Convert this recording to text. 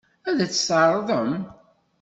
Ad as-t-tɛeṛḍem?